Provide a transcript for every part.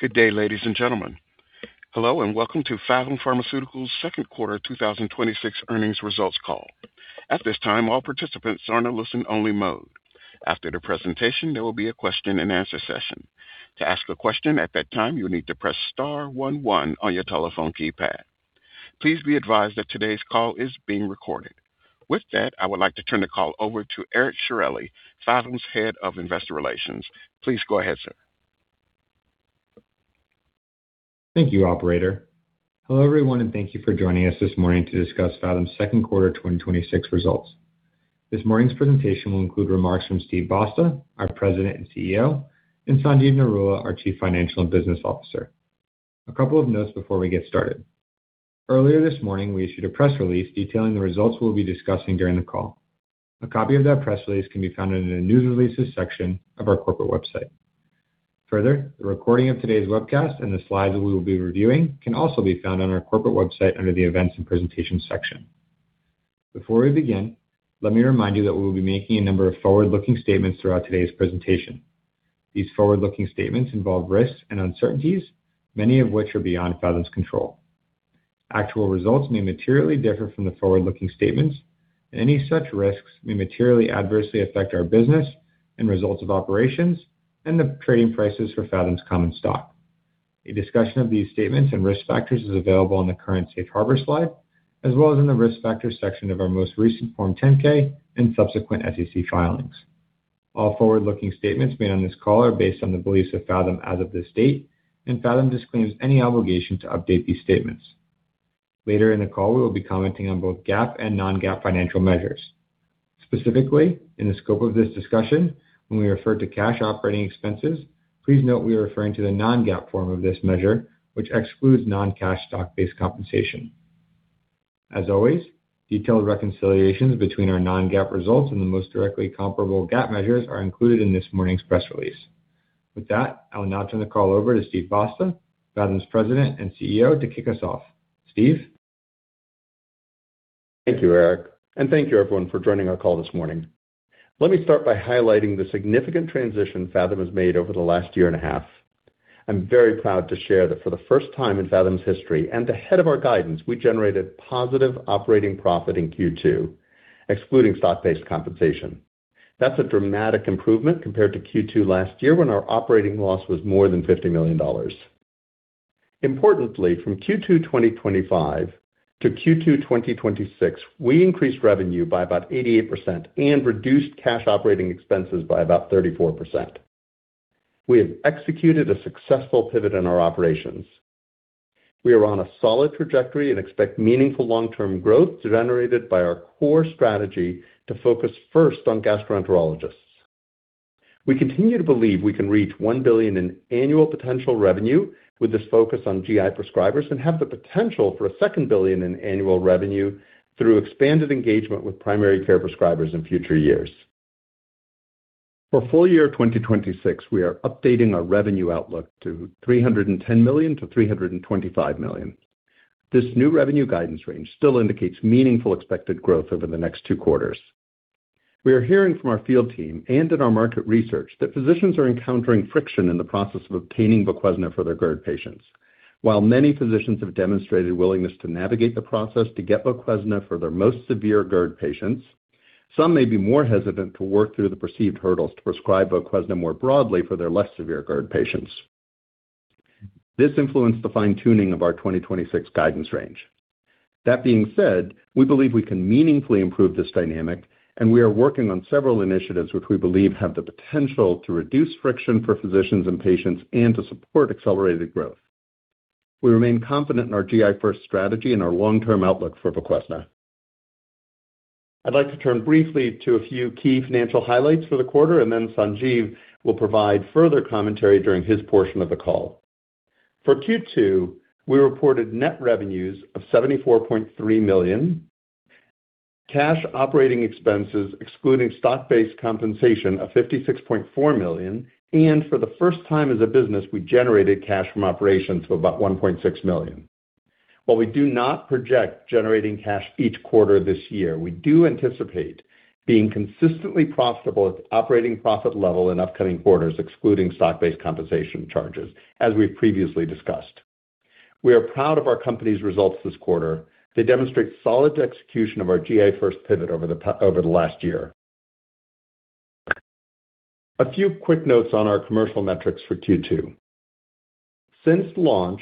Good day, ladies and gentlemen. Hello, and welcome to Phathom Pharmaceuticals' second quarter 2026 earnings results call. At this time, all participants are in a listen-only mode. After the presentation, there will be a question and answer session. To ask a question at that time, you'll need to press star one one on your telephone keypad. Please be advised that today's call is being recorded. With that, I would like to turn the call over to Eric Sciorilli, Phathom's Head of Investor Relations. Please go ahead, sir. Thank you, operator. Hello everyone. Thank you for joining us this morning to discuss Phathom's second quarter 2026 results. This morning's presentation will include remarks from Steven Basta, our President and CEO, and Sanjeev Narula, our Chief Financial and Business Officer. A couple of notes before we get started. Earlier this morning, we issued a press release detailing the results we'll be discussing during the call. A copy of that press release can be found under the news releases section of our corporate website. The recording of today's webcast and the slides that we will be reviewing can also be found on our corporate website under the events and presentations section. Before we begin, let me remind you that we will be making a number of forward-looking statements throughout today's presentation. These forward-looking statements involve risks and uncertainties, many of which are beyond Phathom's control. Actual results may materially differ from the forward-looking statements. Any such risks may materially adversely affect our business and results of operations and the trading prices for Phathom's common stock. A discussion of these statements and risk factors is available on the current Safe Harbor slide, as well as in the risk factors section of our most recent Form 10-K and subsequent SEC filings. All forward-looking statements made on this call are based on the beliefs of Phathom as of this date. Phathom disclaims any obligation to update these statements. Later in the call, we will be commenting on both GAAP and non-GAAP financial measures. Specifically, in the scope of this discussion, when we refer to cash operating expenses, please note we are referring to the non-GAAP form of this measure, which excludes non-cash stock-based compensation. As always, detailed reconciliations between our non-GAAP results and the most directly comparable GAAP measures are included in this morning's press release. I will now turn the call over to Steven Basta, Phathom's President and CEO, to kick us off. Steve? Thank you, Eric, and thank you everyone for joining our call this morning. Let me start by highlighting the significant transition Phathom has made over the last year and a half. I'm very proud to share that for the first time in Phathom's history, and ahead of our guidance, we generated positive operating profit in Q2, excluding stock-based compensation. That's a dramatic improvement compared to Q2 last year when our operating loss was more than $50 million. Importantly, from Q2 2025 to Q2 2026, we increased revenue by about 88% and reduced cash operating expenses by about 34%. We have executed a successful pivot in our operations. We are on a solid trajectory and expect meaningful long-term growth generated by our core strategy to focus first on gastroenterologists. We continue to believe we can reach $1 billion in annual potential revenue with this focus on GI prescribers and have the potential for a second billion in annual revenue through expanded engagement with primary care prescribers in future years. For full-year 2026, we are updating our revenue outlook to $310 million-$325 million. This new revenue guidance range still indicates meaningful expected growth over the next two quarters. We are hearing from our field team and in our market research that physicians are encountering friction in the process of obtaining VOQUEZNA for their GERD patients. While many physicians have demonstrated willingness to navigate the process to get VOQUEZNA for their most severe GERD patients, some may be more hesitant to work through the perceived hurdles to prescribe VOQUEZNA more broadly for their less severe GERD patients. This influenced the fine-tuning of our 2026 guidance range. That being said, we believe we can meaningfully improve this dynamic, and we are working on several initiatives which we believe have the potential to reduce friction for physicians and patients and to support accelerated growth. We remain confident in our GI-first strategy and our long-term outlook for VOQUEZNA. I'd like to turn briefly to a few key financial highlights for the quarter, and then Sanjeev will provide further commentary during his portion of the call. For Q2, we reported net revenues of $74.3 million, cash operating expenses excluding stock-based compensation of $56.4 million, and for the first time as a business, we generated cash from operations of about $1.6 million. While we do not project generating cash each quarter this year, we do anticipate being consistently profitable at the operating profit level in upcoming quarters, excluding stock-based compensation charges, as we've previously discussed. We are proud of our company's results this quarter. They demonstrate solid execution of our GI-first pivot over the last year. A few quick notes on our commercial metrics for Q2. Since launch,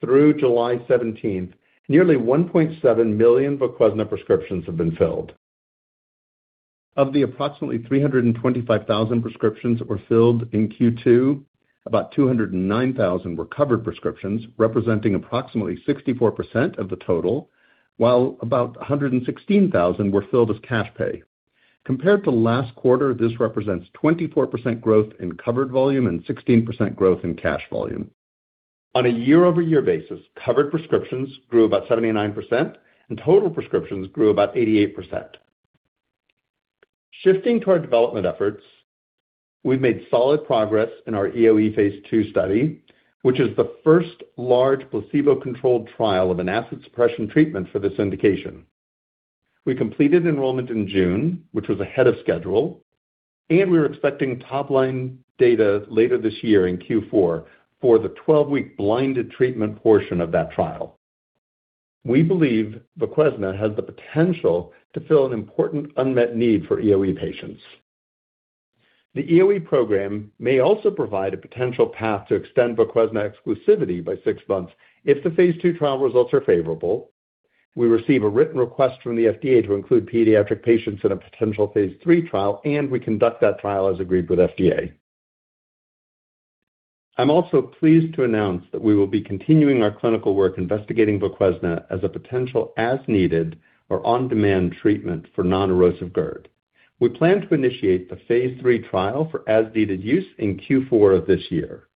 through July 17th, nearly 1.7 million VOQUEZNA prescriptions have been filled. Of the approximately 325,000 prescriptions that were filled in Q2, about 209,000 were covered prescriptions, representing approximately 64% of the total, while about 116,000 were filled as cash pay. Compared to last quarter, this represents 24% growth in covered volume and 16% growth in cash volume. On a year-over-year basis, covered prescriptions grew about 79% and total prescriptions grew about 88%. Shifting to our development efforts, we've made solid progress in our EoE phase II study, which is the first large placebo-controlled trial of an acid suppression treatment for this indication. We completed enrollment in June, which was ahead of schedule, and we're expecting top-line data later this year in Q4 for the 12-week blinded treatment portion of that trial. We believe VOQUEZNA has the potential to fill an important unmet need for EoE patients. The EoE program may also provide a potential path to extend VOQUEZNA exclusivity by six months if the phase II trial results are favorable, we receive a written request from the FDA to include pediatric patients in a potential phase III trial, and we conduct that trial as agreed with FDA. I'm also pleased to announce that we will be continuing our clinical work investigating VOQUEZNA as a potential as-needed or on-demand treatment for non-erosive GERD. We plan to initiate the phase III trial for as-needed use in Q4 of this year.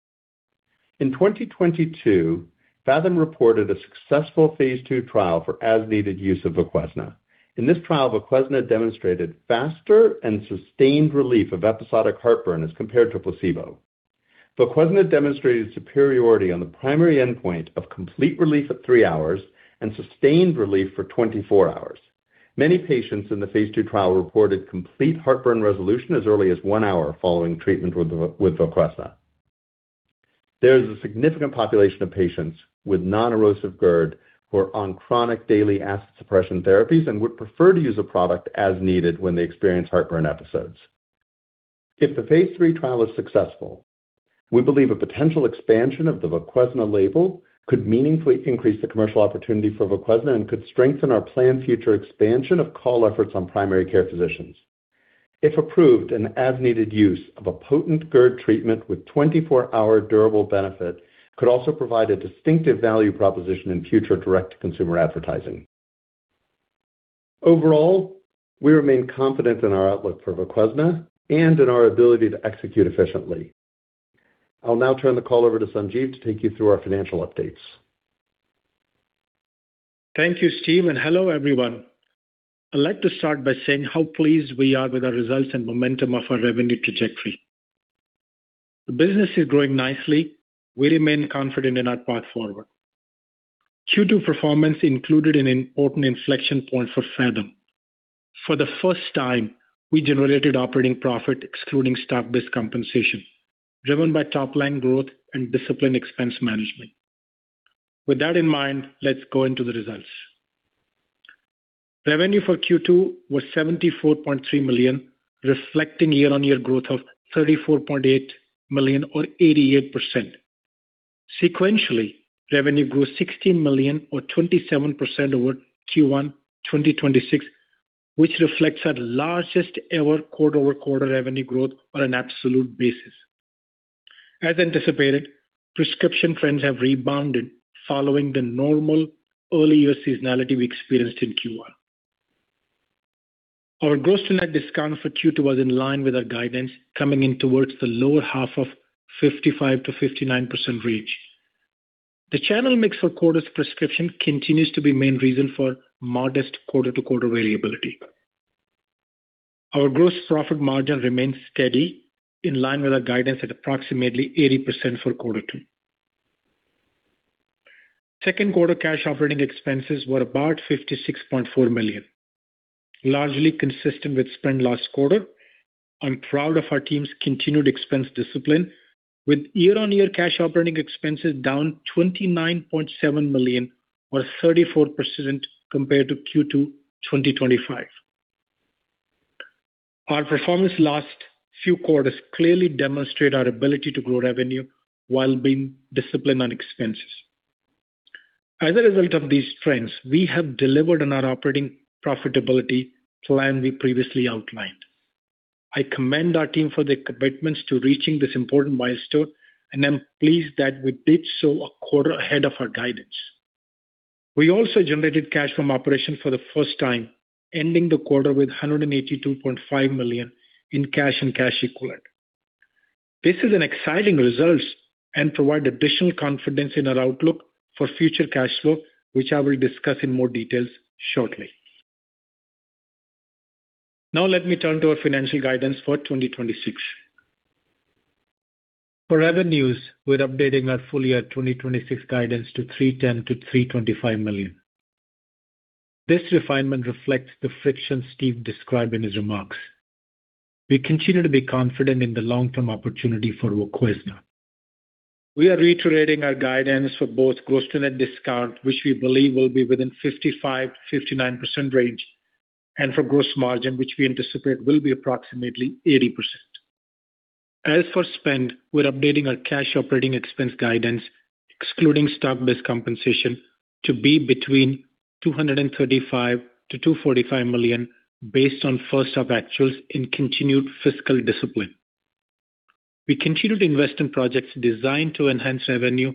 In 2022, Phathom reported a successful phase II trial for as-needed use of VOQUEZNA. In this trial, VOQUEZNA demonstrated faster and sustained relief of episodic heartburn as compared to placebo. VOQUEZNA demonstrated superiority on the primary endpoint of complete relief at three hours and sustained relief for 24 hours. Many patients in the phase II trial reported complete heartburn resolution as early as one hour following treatment with VOQUEZNA. There is a significant population of patients with non-erosive GERD who are on chronic daily acid suppression therapies and would prefer to use a product as needed when they experience heartburn episodes. If the phase III trial is successful, we believe a potential expansion of the VOQUEZNA label could meaningfully increase the commercial opportunity for VOQUEZNA and could strengthen our planned future expansion of call efforts on primary care physicians. If approved, an as-needed use of a potent GERD treatment with 24-hour durable benefit could also provide a distinctive value proposition in future direct-to-consumer advertising. Overall, we remain confident in our outlook for VOQUEZNA and in our ability to execute efficiently. I'll now turn the call over to Sanjeev to take you through our financial updates. Thank you, Steve, and hello, everyone. I'd like to start by saying how pleased we are with our results and momentum of our revenue trajectory. The business is growing nicely. We remain confident in our path forward. Q2 performance included an important inflection point for Phathom. For the first time, we generated operating profit excluding stock-based compensation, driven by top-line growth and disciplined expense management. With that in mind, let's go into the results. Revenue for Q2 was $74.3 million, reflecting year-over-year growth of $34.8 million or 88%. Sequentially, revenue grew $16 million or 27% over Q1 2026, which reflects our largest ever quarter-over-quarter revenue growth on an absolute basis. As anticipated, prescription trends have rebounded following the normal early year seasonality we experienced in Q1. Our gross to net discount for Q2 was in line with our guidance, coming in towards the lower half of 55%-59% range. The channel mix for quarter's prescription continues to be main reason for modest quarter-to-quarter variability. Our gross profit margin remains steady in line with our guidance at approximately 80% for quarter two. Second quarter cash operating expenses were about $56.4 million, largely consistent with spend last quarter. I'm proud of our team's continued expense discipline. With year-on-year cash operating expenses down $29.7 million or 34% compared to Q2 2025. Our performance last few quarters clearly demonstrate our ability to grow revenue while being disciplined on expenses. As a result of these trends, we have delivered on our operating profitability plan we previously outlined. I commend our team for their commitments to reaching this important milestone, and I'm pleased that we did so a quarter ahead of our guidance. We also generated cash from operation for the first time, ending the quarter with $182.5 million in cash and cash equivalent. Let me turn to our financial guidance for 2026. For revenues, we're updating our full-year 2026 guidance to $310 million-$325 million. This refinement reflects the friction Steve described in his remarks. We continue to be confident in the long-term opportunity for VOQUEZNA. We are reiterating our guidance for both gross to net discount, which we believe will be within 55%-59% range, and for gross margin, which we anticipate will be approximately 80%. As for spend, we're updating our cash operating expense guidance, excluding stock-based compensation, to be between $235 million-$245 million based on first-half actuals and continued fiscal discipline. We continue to invest in projects designed to enhance revenue,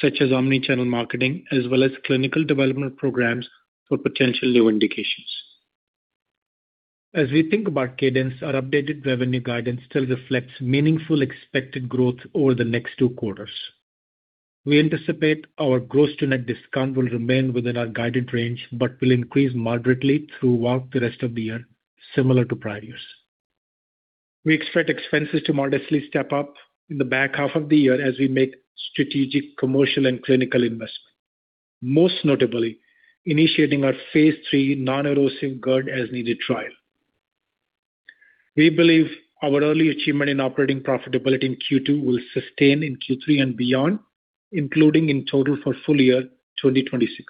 such as omni-channel marketing, as well as clinical development programs for potential new indications. As we think about cadence, our updated revenue guidance still reflects meaningful expected growth over the next two quarters. We anticipate our gross to net discount will remain within our guided range but will increase moderately throughout the rest of the year, similar to prior years. We expect expenses to modestly step up in the back half of the year as we make strategic, commercial, and clinical investments. Most notably, initiating our phase III non-erosive GERD as-needed trial. We believe our early achievement in operating profitability in Q2 will sustain in Q3 and beyond, including in total for full-year 2026.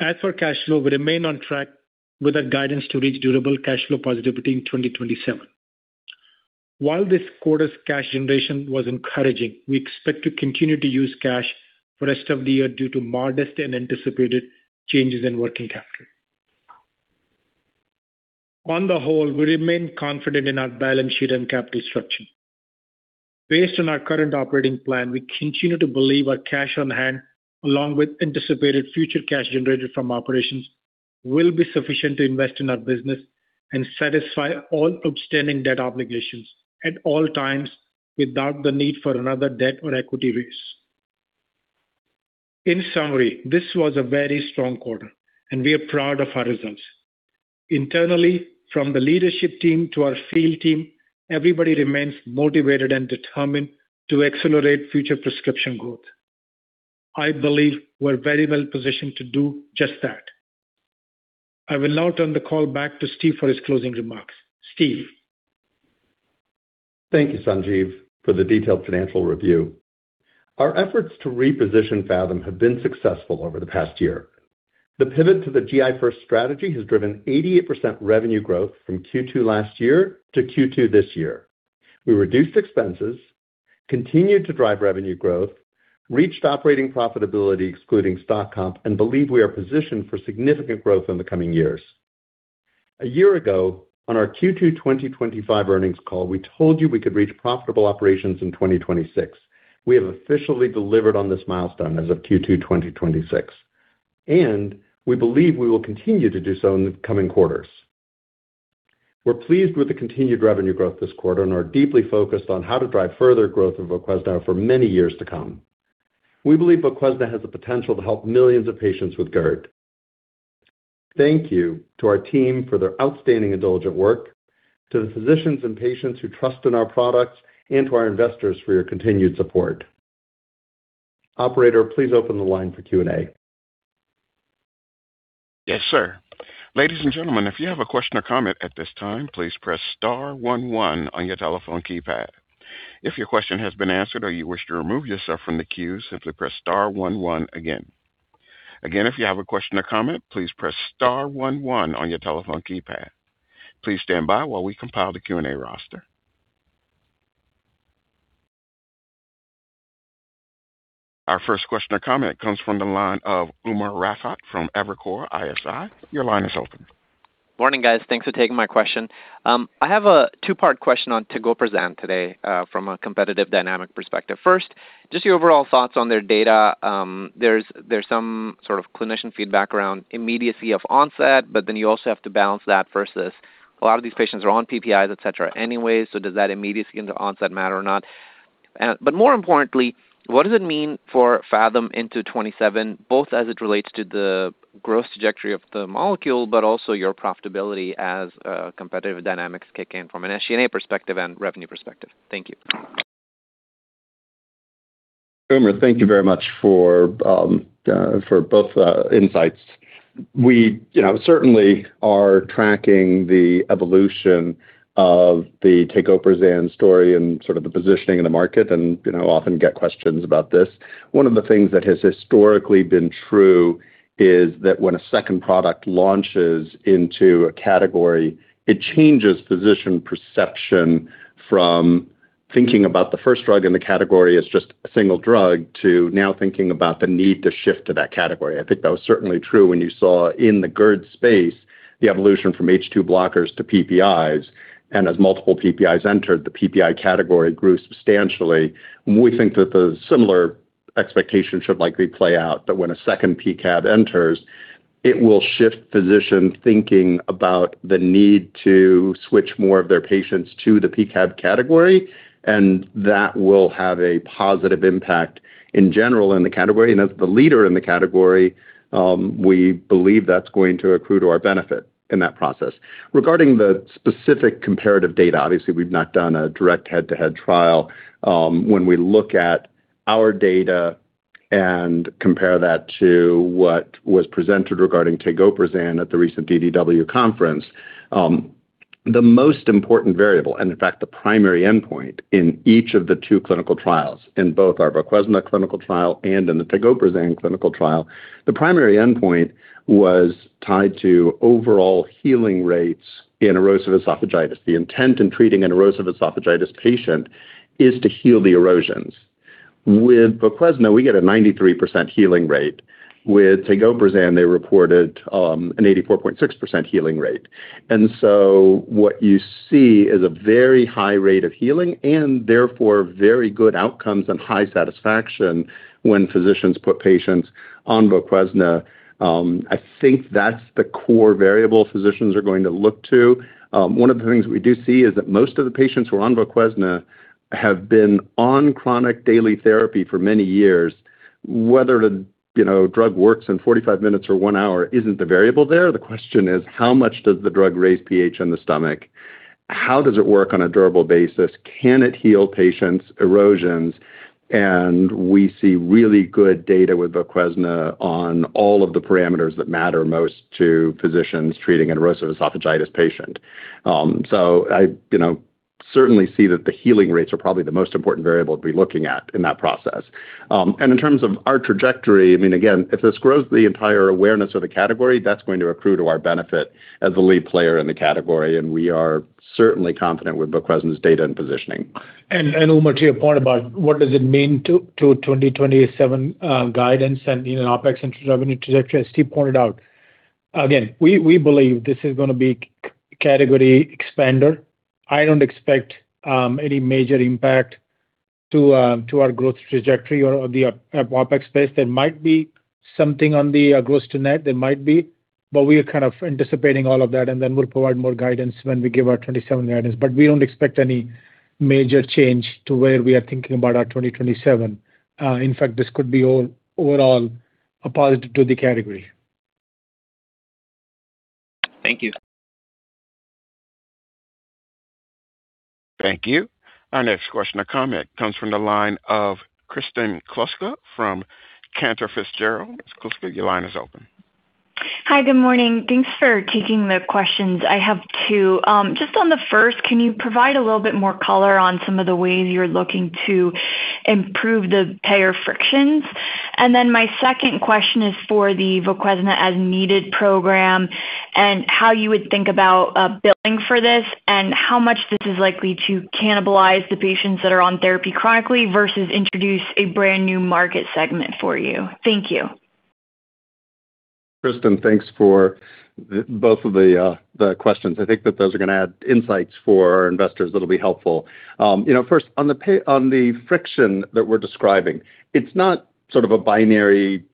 As for cash flow, we remain on track with our guidance to reach durable cash flow positivity in 2027. While this quarter's cash generation was encouraging, we expect to continue to use cash for rest of the year due to modest and anticipated changes in working capital. On the whole, we remain confident in our balance sheet and capital structure. Based on our current operating plan, we continue to believe our cash on hand, along with anticipated future cash generated from operations, will be sufficient to invest in our business and satisfy all outstanding debt obligations at all times without the need for another debt or equity raise. In summary, this was a very strong quarter, and we are proud of our results. Internally, from the leadership team to our field team, everybody remains motivated and determined to accelerate future prescription growth. I believe we're very well positioned to do just that. I will now turn the call back to Steve for his closing remarks. Steve. Thank you, Sanjeev, for the detailed financial review. Our efforts to reposition Phathom have been successful over the past year. The pivot to the GI-first strategy has driven 88% revenue growth from Q2 last year to Q2 this year. We reduced expenses, continued to drive revenue growth, reached operating profitability excluding stock comp, and believe we are positioned for significant growth in the coming years. A year ago, on our Q2 2025 earnings call, we told you we could reach profitable operations in 2026. We have officially delivered on this milestone as of Q2 2026, and we believe we will continue to do so in the coming quarters. We're pleased with the continued revenue growth this quarter and are deeply focused on how to drive further growth of VOQUEZNA for many years to come. We believe VOQUEZNA has the potential to help millions of patients with GERD. Thank you to our team for their outstanding and diligent work, to the physicians and patients who trust in our products, and to our investors for your continued support. Operator, please open the line for Q&A. Yes, sir. Ladies and gentlemen, if you have a question or comment at this time, please press star one one on your telephone keypad. If your question has been answered or you wish to remove yourself from the queue, simply press star one one again. Again, if you have a question or comment, please press star one one on your telephone keypad. Please stand by while we compile the Q&A roster. Our first question or comment comes from the line of Umer Raffat from Evercore ISI. Your line is open. Morning, guys. Thanks for taking my question. I have a two-part question on tegoprazan today from a competitive dynamic perspective. First, just your overall thoughts on their data. There's some sort of clinician feedback around immediacy of onset, but then you also have to balance that versus a lot of these patients are on PPIs, et cetera, anyway, so does that immediacy into onset matter or not? More importantly, what does it mean for Phathom into 2027, both as it relates to the growth trajectory of the molecule, but also your profitability as competitive dynamics kick in from an SG&A perspective and revenue perspective? Thank you. Umer, thank you very much for both insights. We certainly are tracking the evolution of the tegoprazan story and sort of the positioning in the market and often get questions about this. One of the things that has historically been true is that when a second product launches into a category, it changes physician perception from thinking about the first drug in the category as just a single drug to now thinking about the need to shift to that category. I think that was certainly true when you saw in the GERD space the evolution from H2 blockers to PPIs, and as multiple PPIs entered, the PPI category grew substantially. We think that the similar expectation should likely play out, that when a second PCAB enters, it will shift physician thinking about the need to switch more of their patients to the PCAB category, and that will have a positive impact in general in the category. As the leader in the category, we believe that's going to accrue to our benefit in that process. Regarding the specific comparative data, obviously, we've not done a direct head-to-head trial. When we look at our data and compare that to what was presented regarding tegoprazan at the recent DDW conference, the most important variable, and in fact, the primary endpoint in each of the two clinical trials, in both our VOQUEZNA clinical trial and in the tegoprazan clinical trial, the primary endpoint was tied to overall healing rates in erosive esophagitis. The intent in treating an erosive esophagitis patient is to heal the erosions. With VOQUEZNA, we get a 93% healing rate. With tegoprazan, they reported an 84.6% healing rate. What you see is a very high rate of healing and therefore very good outcomes and high satisfaction when physicians put patients on VOQUEZNA. I think that's the core variable physicians are going to look to. One of the things we do see is that most of the patients who are on VOQUEZNA have been on chronic daily therapy for many years. Whether the drug works in 45 minutes or one hour isn't the variable there. The question is, how much does the drug raise pH in the stomach? How does it work on a durable basis? Can it heal patients' erosions? We see really good data with VOQUEZNA on all of the parameters that matter most to physicians treating an erosive esophagitis patient. I certainly see that the healing rates are probably the most important variable to be looking at in that process. In terms of our trajectory, again, if this grows the entire awareness of the category, that's going to accrue to our benefit as the lead player in the category, and we are certainly confident with VOQUEZNA's data and positioning. Umer, to your point about what does it mean to 2027 guidance and OpEx and revenue trajectory, as Steve pointed out, again, we believe this is going to be category expander. I don't expect any major impact to our growth trajectory or the OpEx space. There might be something on the gross to net. There might be, but we are kind of anticipating all of that, then we'll provide more guidance when we give our 2027 guidance. We don't expect any major change to where we are thinking about our 2027. In fact, this could be overall a positive to the category. Thank you. Thank you. Our next question or comment comes from the line of Kristen Kluska from Cantor Fitzgerald. Miss Kluska, your line is open. Hi. Good morning. Thanks for taking the questions. I have two. Just on the first, can you provide a little bit more color on some of the ways you're looking to improve the payer frictions? My second question is for the VOQUEZNA as-needed program and how you would think about billing for this, and how much this is likely to cannibalize the patients that are on therapy chronically versus introduce a brand-new market segment for you. Thank you. Kristen, thanks for both of the questions. I think that those are going to add insights for our investors that'll be helpful. First, on the friction that we're describing, it's not sort of a binary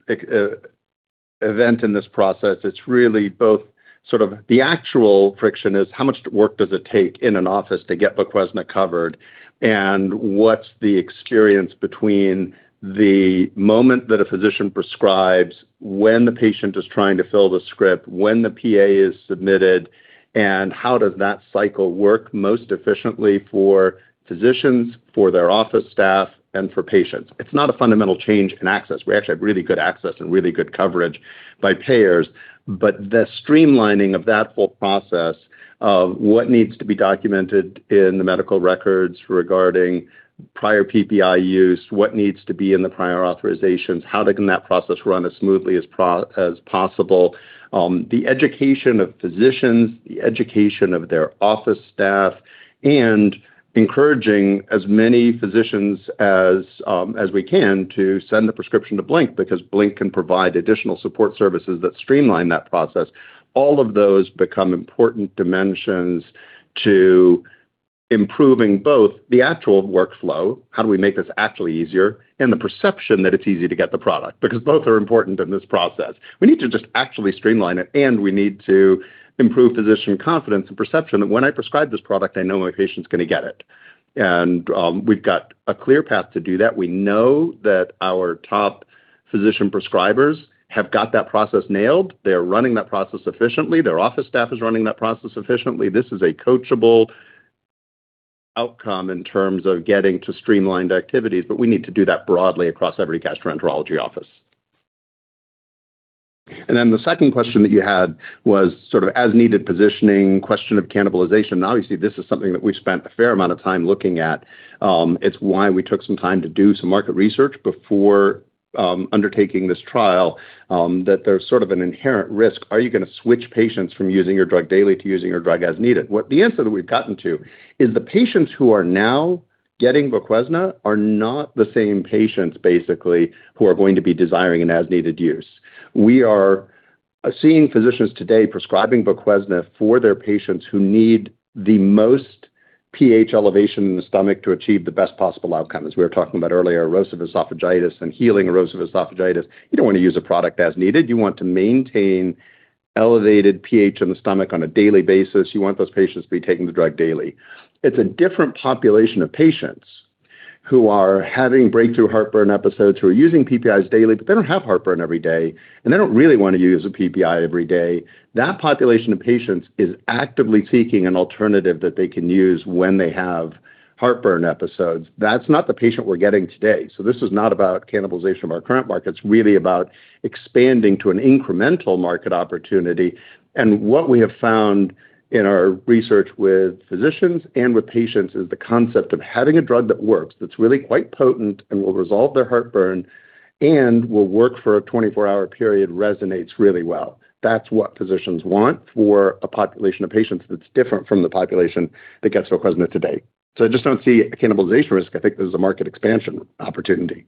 event in this process. It's really both sort of the actual friction is how much work does it take in an office to get VOQUEZNA covered, and what's the experience between the moment that a physician prescribes, when the patient is trying to fill the script, when the PA is submitted, and how does that cycle work most efficiently for physicians, for their office staff, and for patients. It's not a fundamental change in access. We actually have really good access and really good coverage by payers. The streamlining of that whole process of what needs to be documented in the medical records regarding prior PPI use, what needs to be in the prior authorizations, how can that process run as smoothly as possible. The education of physicians, the education of their office staff, and encouraging as many physicians as we can to send the prescription to BlinkRx because BlinkRx can provide additional support services that streamline that process. All of those become important dimensions to improving both the actual workflow, how do we make this actually easier, and the perception that it's easy to get the product, because both are important in this process. We need to just actually streamline it, and we need to improve physician confidence and perception that when I prescribe this product, I know my patient's going to get it. We've got a clear path to do that. We know that our top physician prescribers have got that process nailed. They are running that process efficiently. Their office staff is running that process efficiently. This is a coachable outcome in terms of getting to streamlined activities, we need to do that broadly across every gastroenterology office. The second question that you had was sort of as-needed positioning, question of cannibalization. Obviously, this is something that we've spent a fair amount of time looking at. It's why we took some time to do some market research before undertaking this trial, that there's sort of an inherent risk. Are you going to switch patients from using your drug daily to using your drug as needed? The answer that we've gotten to is the patients who are now getting VOQUEZNA are not the same patients, basically, who are going to be desiring an as-needed use. We are seeing physicians today prescribing VOQUEZNA for their patients who need the most pH elevation in the stomach to achieve the best possible outcome, as we were talking about earlier, erosive esophagitis and healing erosive esophagitis. You don't want to use a product as needed. You want to maintain elevated pH in the stomach on a daily basis. You want those patients to be taking the drug daily. It's a different population of patients who are having breakthrough heartburn episodes, who are using PPIs daily, but they don't have heartburn every day, and they don't really want to use a PPI every day. That population of patients is actively seeking an alternative that they can use when they have heartburn episodes. That's not the patient we're getting today. This is not about cannibalization of our current market. It's really about expanding to an incremental market opportunity. What we have found in our research with physicians and with patients is the concept of having a drug that works, that's really quite potent and will resolve their heartburn and will work for a 24-hour period resonates really well. That's what physicians want for a population of patients that's different from the population that gets VOQUEZNA today. I just don't see a cannibalization risk. I think this is a market expansion opportunity.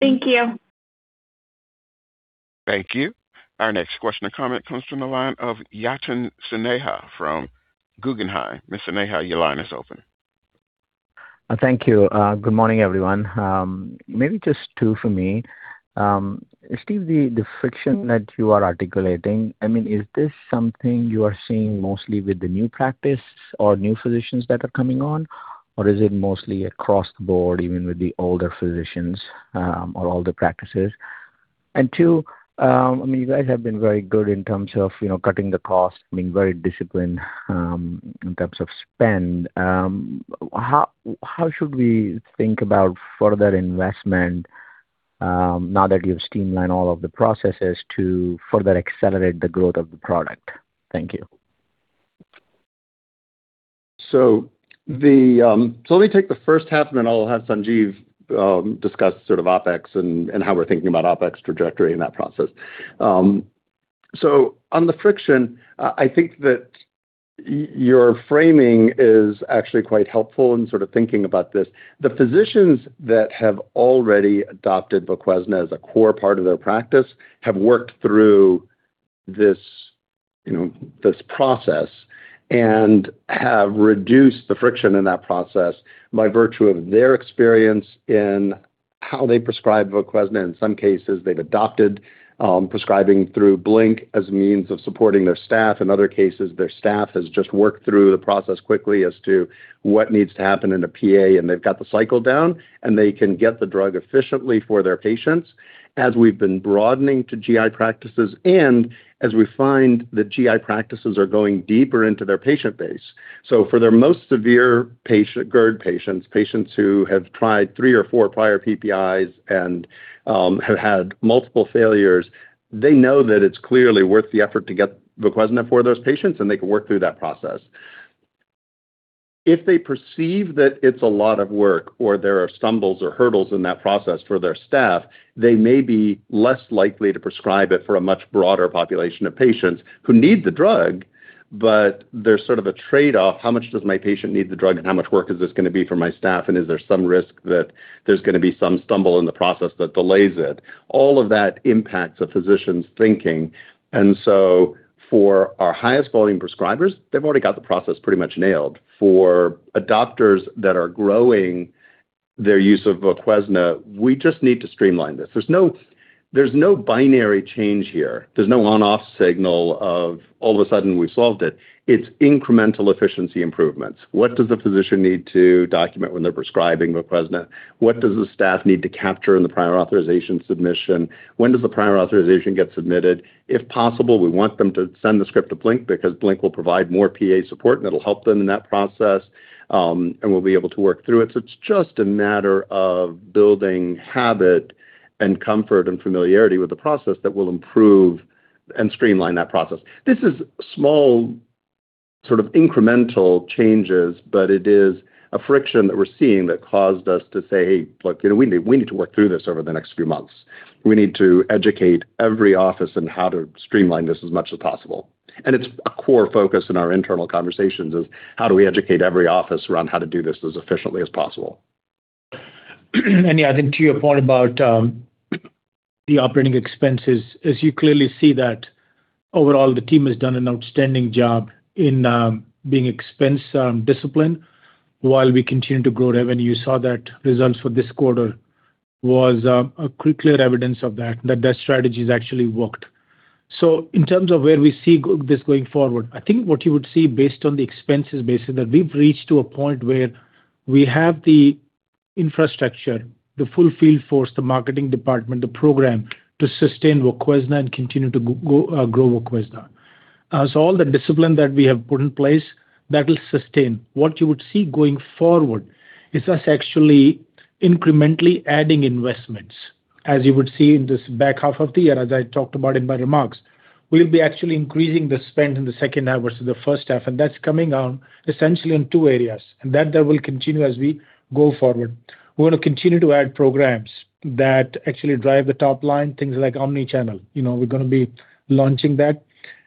Thank you. Thank you. Our next question or comment comes from the line of Yatin Suneja from Guggenheim. Mr. Suneja, your line is open. Thank you. Good morning, everyone. Maybe just two for me. Steve, the friction that you are articulating, is this something you are seeing mostly with the new practice or new physicians that are coming on, or is it mostly across the board, even with the older physicians or older practices? Two, you guys have been very good in terms of cutting the cost, being very disciplined in terms of spend. How should we think about further investment now that you've streamlined all of the processes to further accelerate the growth of the product? Thank you. Let me take the first half, and then I'll have Sanjeev discuss sort of OpEx and how we're thinking about OpEx trajectory in that process. On the friction, I think that your framing is actually quite helpful in sort of thinking about this. The physicians that have already adopted VOQUEZNA as a core part of their practice have worked through this process and have reduced the friction in that process by virtue of their experience in how they prescribe VOQUEZNA. In some cases, they've adopted prescribing through BlinkRx as a means of supporting their staff. In other cases, their staff has just worked through the process quickly as to what needs to happen in a PA, and they've got the cycle down, and they can get the drug efficiently for their patients. As we've been broadening to GI practices and as we find that GI practices are going deeper into their patient base. For their most severe GERD patients who have tried three or four prior PPIs and have had multiple failures, they know that it's clearly worth the effort to get VOQUEZNA for those patients, and they can work through that process. If they perceive that it's a lot of work or there are stumbles or hurdles in that process for their staff, they may be less likely to prescribe it for a much broader population of patients who need the drug, but there's sort of a trade-off. How much does my patient need the drug, and how much work is this going to be for my staff? Is there some risk that there's going to be some stumble in the process that delays it? All of that impacts a physician's thinking. For our highest volume prescribers, they've already got the process pretty much nailed. For adopters that are growing their use of VOQUEZNA, we just need to streamline this. There's no binary change here. There's no on-off signal of all of a sudden we've solved it. It's incremental efficiency improvements. What does the physician need to document when they're prescribing VOQUEZNA? What does the staff need to capture in the prior authorization submission? When does the prior authorization get submitted? If possible, we want them to send the script to BlinkRx because BlinkRx will provide more PA support, and it'll help them in that process, and we'll be able to work through it. It's just a matter of building habit and comfort and familiarity with the process that will improve and streamline that process. This is small sort of incremental changes, but it is a friction that we're seeing that caused us to say, Hey, look, we need to work through this over the next few months. We need to educate every office on how to streamline this as much as possible. It's a core focus in our internal conversations is how do we educate every office around how to do this as efficiently as possible. Yeah, I think to your point about the operating expenses, as you clearly see that overall the team has done an outstanding job in being expense discipline while we continue to grow revenue. You saw that results for this quarter was a clear evidence of that that strategy has actually worked. In terms of where we see this going forward, I think what you would see based on the expenses basically, that we've reached to a point where we have the infrastructure, the full field force, the marketing department, the program to sustain VOQUEZNA and continue to grow VOQUEZNA. All the discipline that we have put in place, that will sustain. What you would see going forward is us actually incrementally adding investments. You would see in this back half of the year, as I talked about in my remarks, we'll be actually increasing the spend in the second half versus the first half, and that's coming on essentially in two areas, and that will continue as we go forward. We want to continue to add programs that actually drive the top line, things like omni-channel. We're going to be launching that.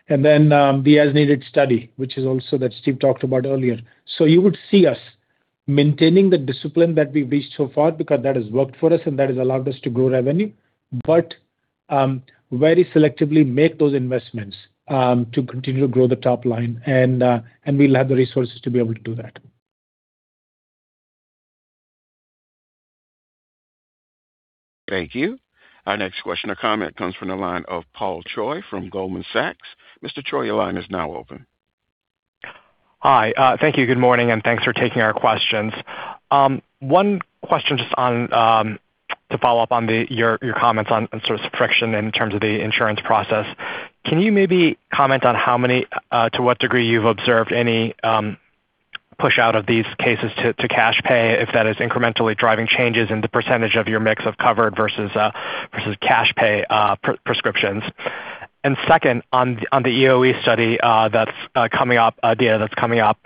Then the as-needed study, which is also that Steve talked about earlier. You would see us maintaining the discipline that we've reached so far because that has worked for us and that has allowed us to grow revenue, but very selectively make those investments to continue to grow the top line and we'll have the resources to be able to do that. Thank you. Our next question or comment comes from the line of Paul Choi from Goldman Sachs. Mr. Choi, your line is now open. Hi. Thank you. Good morning, and thanks for taking our questions. One question just to follow up on your comments on sort of friction in terms of the insurance process. Can you maybe comment on to what degree you've observed any push out of these cases to cash pay, if that is incrementally driving changes in the percentage of your mix of covered versus cash pay prescriptions? Second, on the EoE study data that's coming up,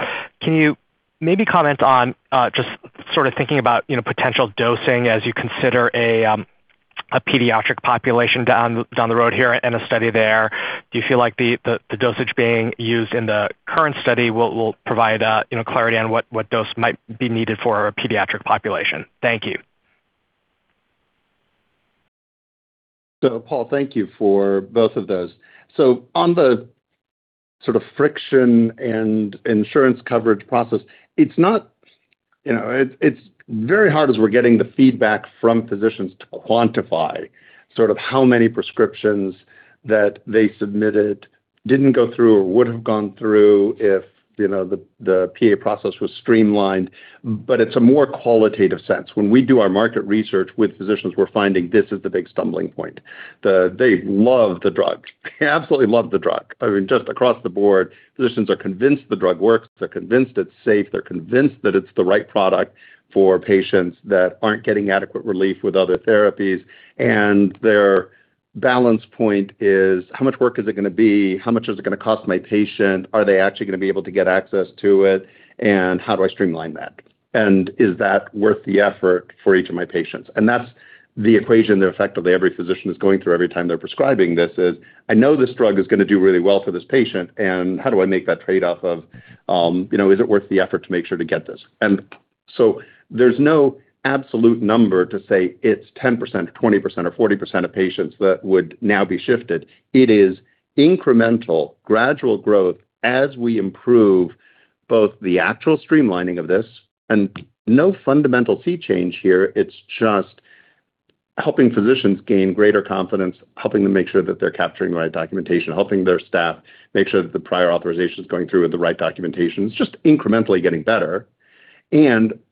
can you maybe comment on just sort of thinking about potential dosing as you consider a pediatric population down the road here and a study there? Do you feel like the dosage being used in the current study will provide clarity on what dose might be needed for a pediatric population? Thank you. Paul, thank you for both of those. On the sort of friction and insurance coverage process, It's very hard as we're getting the feedback from physicians to quantify how many prescriptions that they submitted didn't go through or would have gone through if the PA process was streamlined. It's a more qualitative sense. When we do our market research with physicians, we're finding this is the big stumbling point. They love the drug. They absolutely love the drug. Just across the board, physicians are convinced the drug works. They're convinced it's safe. They're convinced that it's the right product for patients that aren't getting adequate relief with other therapies. Their balance point is how much work is it going to be? How much is it going to cost my patient? Are they actually going to be able to get access to it? How do I streamline that? Is that worth the effort for each of my patients? That's the equation that effectively every physician is going through every time they're prescribing this is, I know this drug is going to do really well for this patient. How do I make that trade-off of, is it worth the effort to make sure to get this? There's no absolute number to say it's 10% or 20% or 40% of patients that would now be shifted. It is incremental, gradual growth as we improve both the actual streamlining of this. No fundamental sea change here. It's just helping physicians gain greater confidence, helping them make sure that they're capturing the right documentation, helping their staff make sure that the prior authorization is going through with the right documentation. It's just incrementally getting better.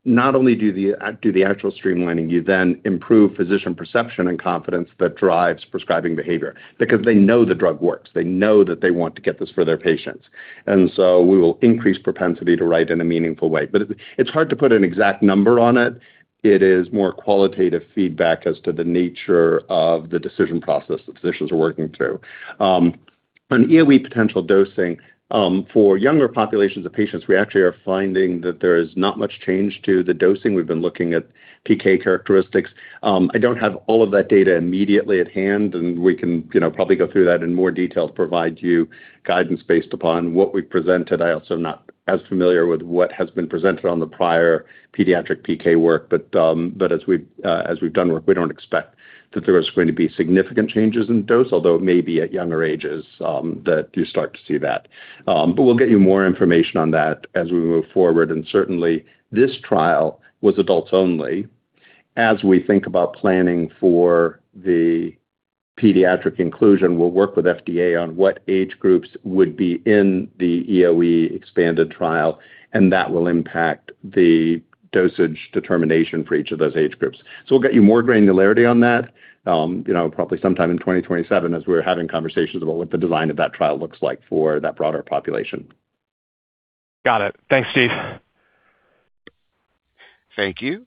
Not only do the actual streamlining, you then improve physician perception and confidence that drives prescribing behavior because they know the drug works. They know that they want to get this for their patients. We will increase propensity to write in a meaningful way. It's hard to put an exact number on it. It is more qualitative feedback as to the nature of the decision process that physicians are working through. On EoE potential dosing, for younger populations of patients, we actually are finding that there is not much change to the dosing. We've been looking at PK characteristics. I don't have all of that data immediately at hand, and we can probably go through that in more detail to provide you guidance based upon what we've presented. I also am not as familiar with what has been presented on the prior pediatric PK work. As we've done work, we don't expect that there is going to be significant changes in dose, although it may be at younger ages that you start to see that. We'll get you more information on that as we move forward. Certainly, this trial was adults only. As we think about planning for the pediatric inclusion, we'll work with FDA on what age groups would be in the EoE expanded trial, and that will impact the dosage determination for each of those age groups. We'll get you more granularity on that probably sometime in 2027 as we're having conversations about what the design of that trial looks like for that broader population. Got it. Thanks, Steve. Thank you.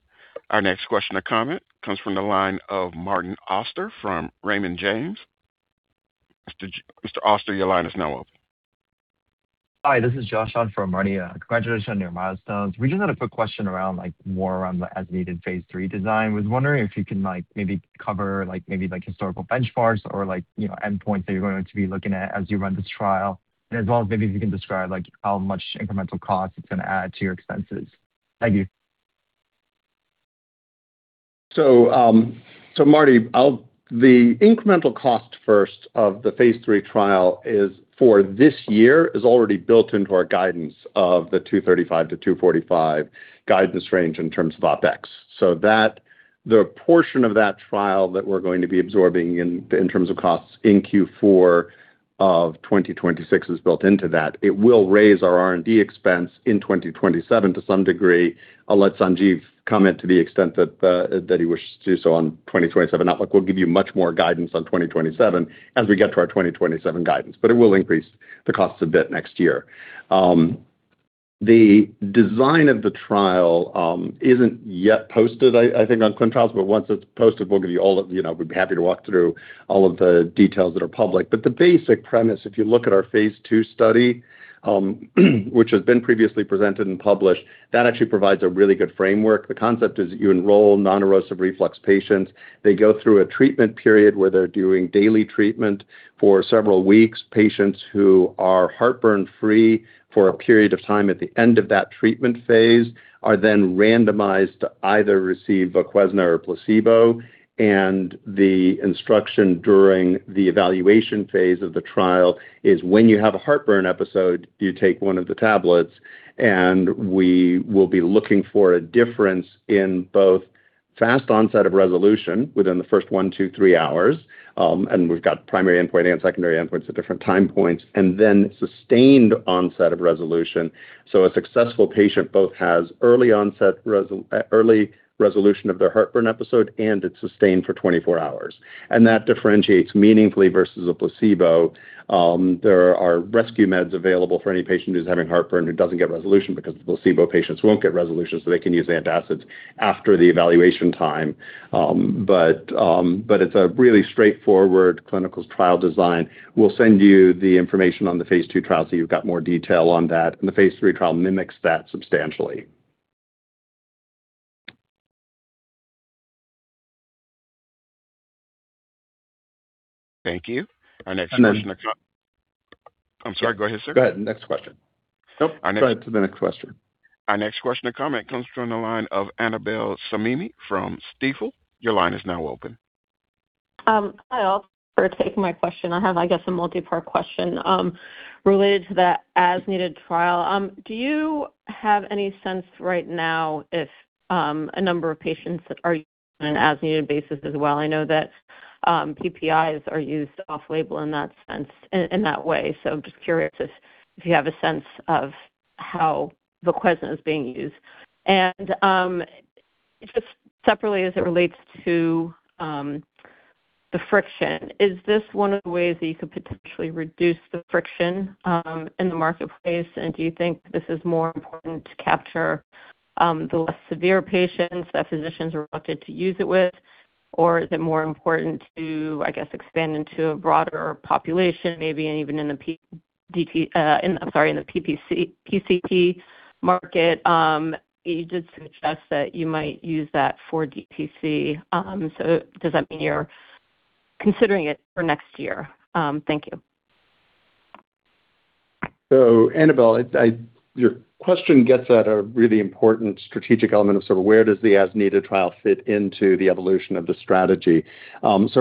Our next question or comment comes from the line of Martin Auster from Raymond James. Mr. Auster, your line is now open. Hi, this is Josh Chan on for Marty. Congratulations on your milestones. We just had a quick question around more around the as-needed phase III design. I was wondering if you can maybe cover historical benchmarks or endpoints that you're going to be looking at as you run this trial. As well as maybe if you can describe how much incremental cost it's going to add to your expenses. Thank you. Marty, the incremental cost first of the phase III trial is for this year is already built into our guidance of the $235-$245 guidance range in terms of OpEx. The portion of that trial that we're going to be absorbing in terms of costs in Q4 of 2026 is built into that. It will raise our R&D expense in 2027 to some degree. I'll let Sanjeev comment to the extent that he wishes to do so on 2027 outlook. We'll give you much more guidance on 2027 as we get to our 2027 guidance. It will increase the costs a bit next year. The design of the trial isn't yet posted, I think, on ClinicalTrials.gov, but once it's posted, we'd be happy to walk through all of the details that are public. The basic premise, if you look at our phase II study which has been previously presented and published, that actually provides a really good framework. The concept is that you enroll non-erosive reflux patients. They go through a treatment period where they're doing daily treatment for several weeks. Patients who are heartburn free for a period of time at the end of that treatment phase are then randomized to either receive VOQUEZNA or a placebo. The instruction during the evaluation phase of the trial is when you have a heartburn episode, you take one of the tablets and we will be looking for a difference in both fast onset of resolution within the first one to three hours. We've got primary endpoint and secondary endpoints at different time points, and then sustained onset of resolution. A successful patient both has early resolution of their heartburn episode and it's sustained for 24 hours. That differentiates meaningfully versus a placebo. There are rescue meds available for any patient who's having heartburn who doesn't get resolution because the placebo patients won't get resolution, so they can use antacids after the evaluation time. It's a really straightforward clinical trial design. We'll send you the information on the phase II trial so you've got more detail on that. The phase III trial mimics that substantially. Thank you. Our next question or comment- Can I- I'm sorry, go ahead, sir. Go ahead. Next question. Nope. Go ahead to the next question. Our next question or comment comes from the line of Annabel Samimy from Stifel. Your line is now open. Hi, thanks for taking my question. I have, I guess, a multi-part question related to that as-needed trial. Do you have any sense right now if a number of patients that are on an as-needed basis as well? I know that PPIs are used off-label in that way. Just curious if you have a sense of how VOQUEZNA is being used. Just separately as it relates to the friction, is this one of the ways that you could potentially reduce the friction in the marketplace? Do you think this is more important to capture the less severe patients that physicians are reluctant to use it with? Is it more important to, I guess, expand into a broader population, maybe even in the, I'm sorry, in the PCP market? You did suggest that you might use that for DTC. Does that mean you're considering it for next year? Thank you. Annabel, your question gets at a really important strategic element of sort of where does the as-needed trial fit into the evolution of the strategy.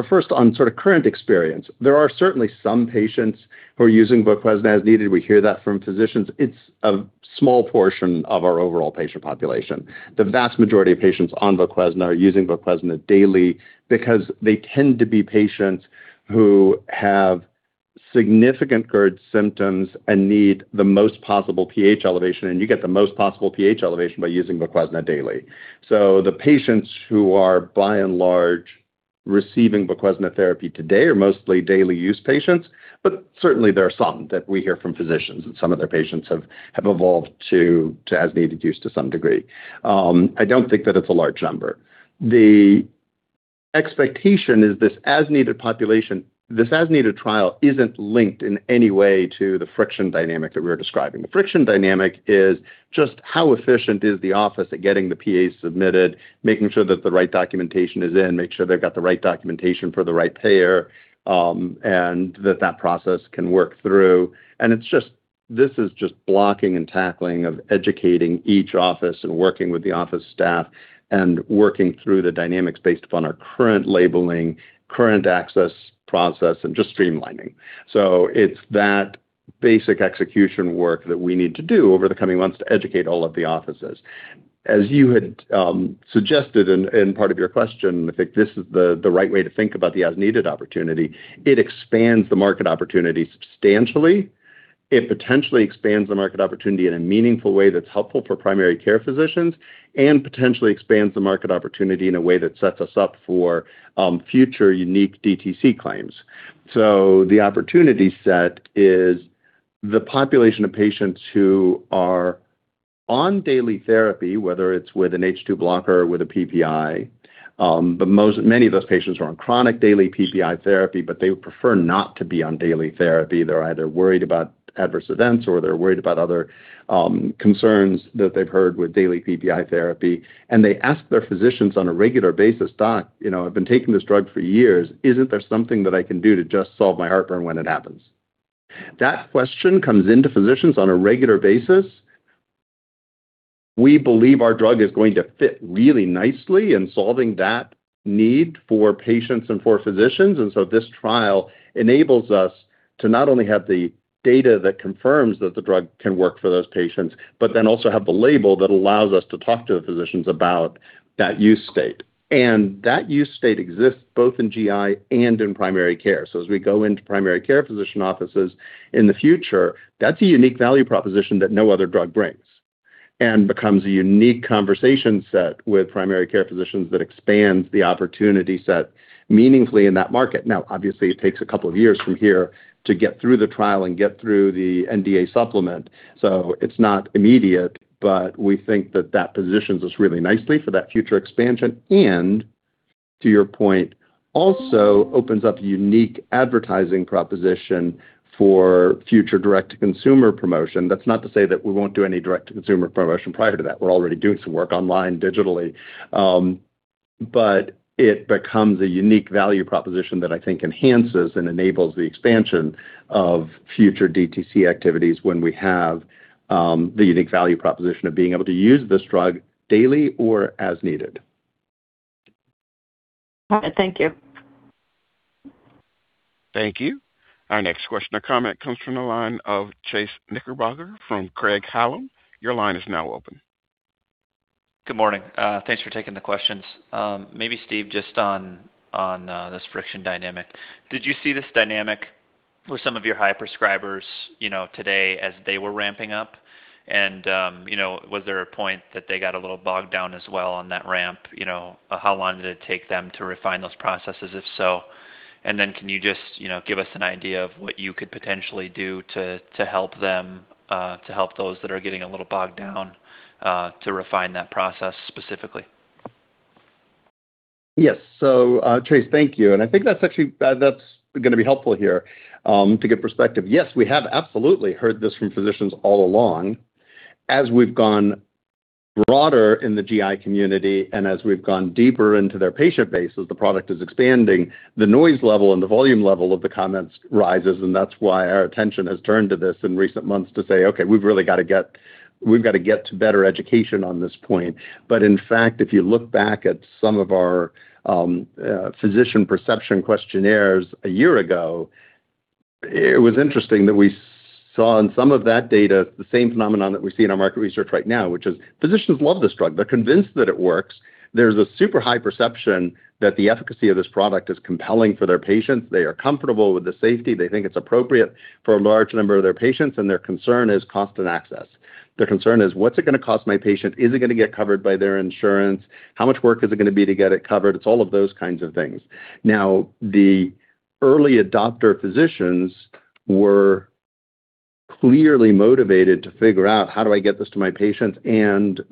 First on sort of current experience, there are certainly some patients who are using VOQUEZNA as needed. We hear that from physicians. It's a small portion of our overall patient population. The vast majority of patients on VOQUEZNA are using VOQUEZNA daily because they tend to be patients who have significant GERD symptoms and need the most possible pH elevation, and you get the most possible pH elevation by using VOQUEZNA daily. The patients who are by and large receiving VOQUEZNA therapy today are mostly daily-use patients, but certainly there are some that we hear from physicians that some of their patients have evolved to as-needed use to some degree. I don't think that it's a large number. The expectation is this as-needed trial isn't linked in any way to the friction dynamic that we're describing. The friction dynamic is just how efficient is the office at getting the PAs submitted, making sure that the right documentation is in, make sure they've got the right documentation for the right payer, and that process can work through. This is just blocking and tackling of educating each office and working with the office staff and working through the dynamics based upon our current labeling, current access process, and just streamlining. It's that basic execution work that we need to do over the coming months to educate all of the offices. As you had suggested in part of your question, I think this is the right way to think about the as-needed opportunity. It expands the market opportunity substantially. It potentially expands the market opportunity in a meaningful way that's helpful for primary care physicians and potentially expands the market opportunity in a way that sets us up for future unique DTC claims. The opportunity set is the population of patients who are on daily therapy, whether it's with an H2 blocker or with a PPI. Many of those patients are on chronic daily PPI therapy, but they would prefer not to be on daily therapy. They're either worried about adverse events or they're worried about other concerns that they've heard with daily PPI therapy. They ask their physicians on a regular basis, Doc, I've been taking this drug for years. Isn't there something that I can do to just solve my heartburn when it happens? That question comes into physicians on a regular basis. We believe our drug is going to fit really nicely in solving that need for patients and for physicians. This trial enables us to not only have the data that confirms that the drug can work for those patients, also have the label that allows us to talk to the physicians about that use state. That use state exists both in GI and in primary care. As we go into primary care physician offices in the future, that's a unique value proposition that no other drug brings and becomes a unique conversation set with primary care physicians that expands the opportunity set meaningfully in that market. Obviously, it takes a couple of years from here to get through the trial and get through the NDA supplement. It's not immediate, we think that that positions us really nicely for that future expansion and, to your point, also opens up a unique advertising proposition for future direct-to-consumer promotion. That's not to say that we won't do any direct-to-consumer promotion prior to that. We're already doing some work online digitally. It becomes a unique value proposition that I think enhances and enables the expansion of future DTC activities when we have the unique value proposition of being able to use this drug daily or as needed. All right. Thank you. Thank you. Our next question or comment comes from the line of Chase Knickerbocker from Craig-Hallum. Your line is now open. Good morning. Thanks for taking the questions. Maybe Steve, just on this friction dynamic, did you see this dynamic with some of your high prescribers today as they were ramping up? Was there a point that they got a little bogged down as well on that ramp? How long did it take them to refine those processes, if so? Then can you just give us an idea of what you could potentially do to help those that are getting a little bogged down to refine that process specifically? Yes. Chase, thank you. I think that's going to be helpful here to get perspective. Yes, we have absolutely heard this from physicians all along. As we've gone broader in the GI community and as we've gone deeper into their patient bases, the product is expanding. The noise level and the volume level of the comments rises, that's why our attention has turned to this in recent months to say, Okay, we've got to get to better education on this point. In fact, if you look back at some of our physician perception questionnaires a year ago. It was interesting that we saw in some of that data the same phenomenon that we see in our market research right now, which is physicians love this drug. They're convinced that it works. There's a super high perception that the efficacy of this product is compelling for their patients. They are comfortable with the safety. They think it's appropriate for a large number of their patients, their concern is cost and access. Their concern is, what's it going to cost my patient? Is it going to get covered by their insurance? How much work is it going to be to get it covered? It's all of those kinds of things. Now, the early adopter physicians were clearly motivated to figure out, how do I get this to my patients?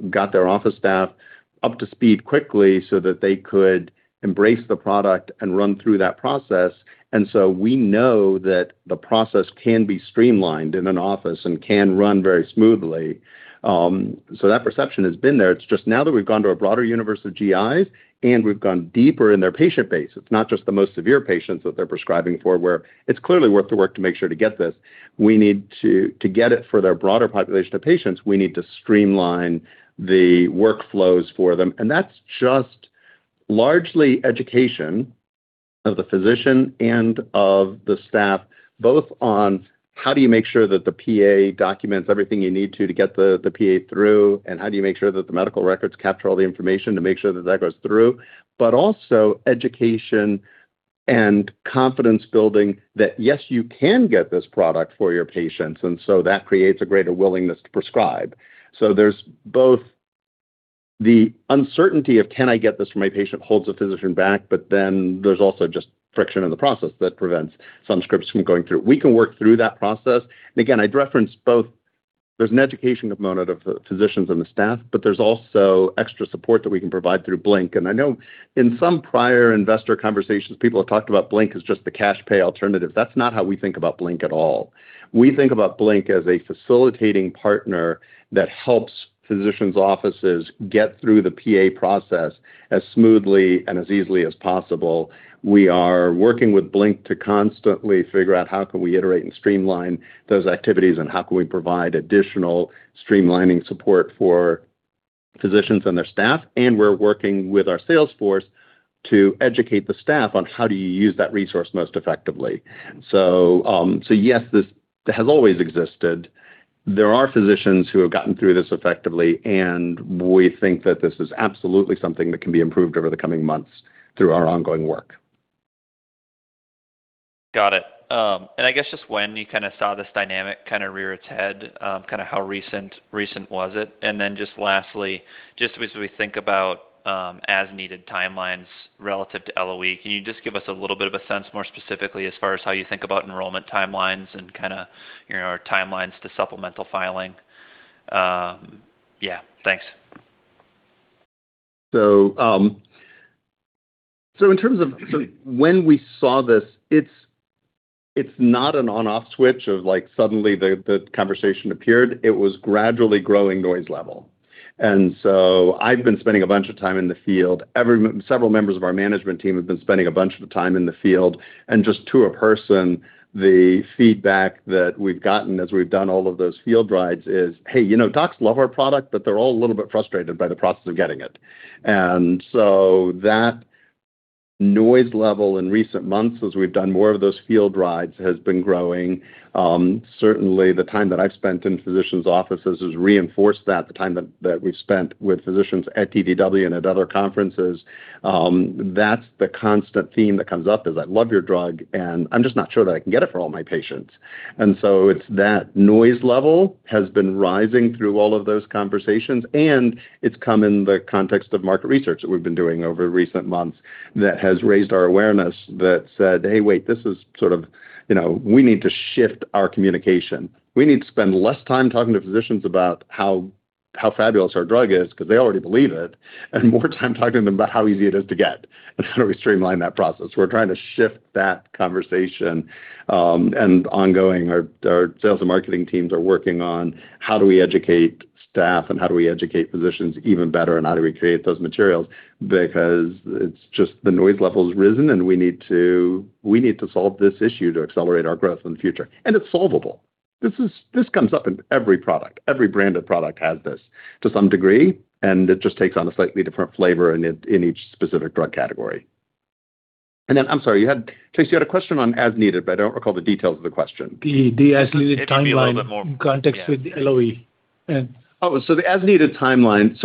Got their office staff up to speed quickly so that they could embrace the product and run through that process. We know that the process can be streamlined in an office and can run very smoothly. That perception has been there. It's just now that we've gone to a broader universe of GIs and we've gone deeper in their patient base, it's not just the most severe patients that they're prescribing for, where it's clearly worth the work to make sure to get this. To get it for their broader population of patients, we need to streamline the workflows for them. That's just largely education of the physician and of the staff, both on how do you make sure that the PA documents everything you need to get the PA through, and how do you make sure that the medical records capture all the information to make sure that that goes through. Also education and confidence-building that, yes, you can get this product for your patients, that creates a greater willingness to prescribe. There's both the uncertainty of can I get this for my patient holds a physician back, there's also just friction in the process that prevents some scripts from going through. We can work through that process. Again, I'd reference both. There's an education component of the physicians and the staff, there's also extra support that we can provide through BlinkRx. I know in some prior investor conversations, people have talked about BlinkRx as just the cash pay alternative. That's not how we think about BlinkRx at all. We think about BlinkRx as a facilitating partner that helps physicians' offices get through the PA process as smoothly and as easily as possible. We are working with BlinkRx to constantly figure out how can we iterate and streamline those activities, and how can we provide additional streamlining support for physicians and their staff. We're working with our sales force to educate the staff on how do you use that resource most effectively. Yes, this has always existed. There are physicians who have gotten through this effectively, we think that this is absolutely something that can be improved over the coming months through our ongoing work. Got it. I guess just when you saw this dynamic rear its head, how recent was it? Just lastly, just as we think about as-needed timelines relative to LOE, can you just give us a little bit of a sense, more specifically as far as how you think about enrollment timelines and our timelines to supplemental filing? Yeah. Thanks. In terms of when we saw this, it's not an on/off switch of suddenly the conversation appeared. It was gradually growing noise level. I've been spending a bunch of time in the field. Several members of our management team have been spending a bunch of time in the field. Just to a person, the feedback that we've gotten as we've done all of those field rides is, Hey, docs love our product, but they're all a little bit frustrated by the process of getting it. That noise level in recent months, as we've done more of those field rides, has been growing. Certainly, the time that I've spent in physicians' offices has reinforced that. The time that we've spent with physicians at DDW and at other conferences, that's the constant theme that comes up is, I love your drug, and I'm just not sure that I can get it for all my patients. It's that noise level has been rising through all of those conversations, and it's come in the context of market research that we've been doing over recent months that has raised our awareness that said, Hey, wait, we need to shift our communication. We need to spend less time talking to physicians about how fabulous our drug is because they already believe it, and more time talking to them about how easy it is to get and how do we streamline that process. We're trying to shift that conversation. Ongoing, our sales and marketing teams are working on how do we educate staff and how do we educate physicians even better, and how do we create those materials? Because it's just the noise level's risen and we need to solve this issue to accelerate our growth in the future. It's solvable. This comes up in every product. Every branded product has this to some degree, and it just takes on a slightly different flavor in each specific drug category. I'm sorry, Chase, you had a question on as needed, but I don't recall the details of the question. The as-needed timeline- Maybe a little bit more- In context with LOE. Yeah. The as-needed timeline.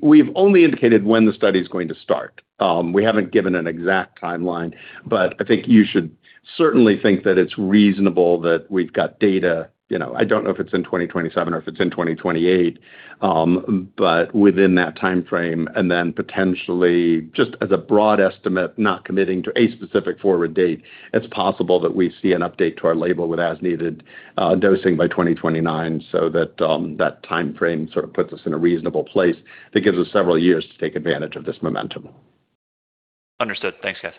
We've only indicated when the study's going to start. We haven't given an exact timeline. I think you should certainly think that it's reasonable that we've got data. I don't know if it's in 2027 or if it's in 2028. Within that timeframe. Potentially, just as a broad estimate, not committing to a specific forward date, it's possible that we see an update to our label with as-needed dosing by 2029. That timeframe sort of puts us in a reasonable place that gives us several years to take advantage of this momentum. Understood. Thanks, guys.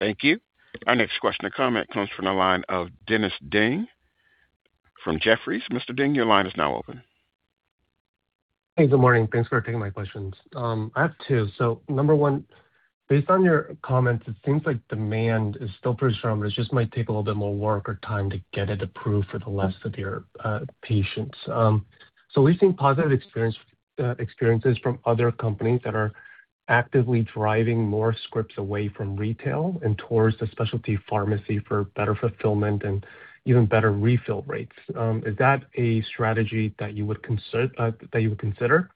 Thank you. Our next question or comment comes from the line of Dennis Ding from Jefferies. Mr. Ding, your line is now open. Hey, good morning. Thanks for taking my questions. I have two. Number one, based on your comments, it seems like demand is still pretty strong, but it just might take a little bit more work or time to get it approved for the less severe patients. We've seen positive experiences from other companies that are actively driving more scripts away from retail and towards the specialty pharmacy for better fulfillment and even better refill rates. Is that a strategy that you would consider?